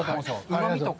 うまみとか。